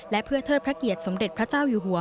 และเพื่อเทิดพระเกียรติสมเด็จพระเจ้าอยู่หัว